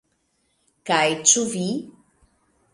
Kaj ĉu vi?